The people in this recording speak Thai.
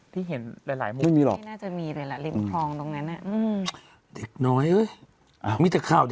ที่เห็นหลายมุม